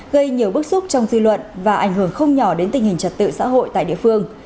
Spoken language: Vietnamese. gây nhiều bức xúc trong dư luận và ảnh hưởng không nhỏ đến tình hình trật tự xã hội tại địa phương